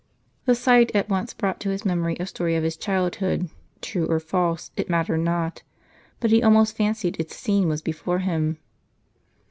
The sight at once brought to his memory a story of his childhood, true or false, it mattered not ; but he almost fancied its scene was before him.